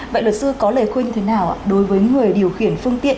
vậy luật sư có lời khuyên như thế nào đối với người điều khiển phương tiện